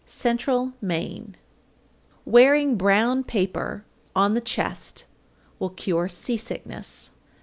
Central Maine. 805. Wearing brown paper on the chest will cure sea sickness.